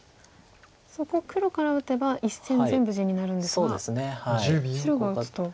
そこ黒から打てば１線全部地になるんですが白が打つと。